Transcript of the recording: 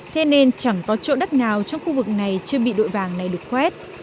thế nên chẳng có chỗ đất nào trong khu vực này chưa bị đội vàng này được khoét